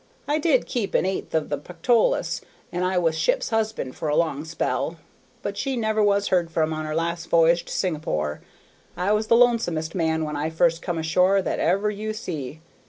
I did keep an eighth of the Pactolus, and I was ship's husband for a long spell, but she never was heard from on her last voyage to Singapore. I was the lonesomest man, when I first come ashore, that ever you see.